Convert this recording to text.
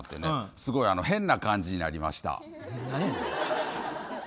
すごい変な感じになりました。